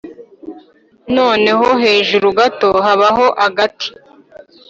noneho hejuru gato habaho agati.